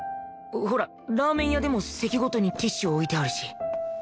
ほらラーメン屋でも席ごとにティッシュ置いてあるし